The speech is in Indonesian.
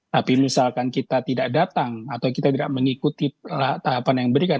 tapi misalkan kita tidak datang atau kita tidak mengikuti tahapan yang diberikan